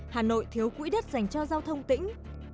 hà nội thiếu quỹ đất dành cho giao thông tỉnh